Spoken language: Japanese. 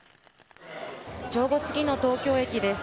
正午すぎの東京駅です。